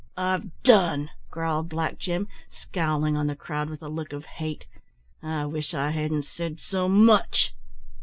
"I've done," growled Black Jim, scowling on the crowd with a look of hate; "I wish I hadn't said so much."